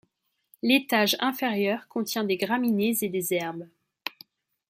L'étage inférieur contient des graminées et des herbes.